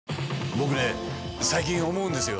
僕ね最近思うんですよ。